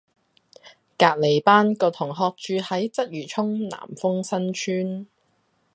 隔離班個同學住喺鰂魚涌南豐新邨